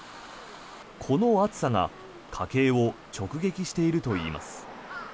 この暑さが家計を直撃しているといいます。